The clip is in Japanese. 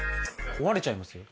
壊れちゃいますよ。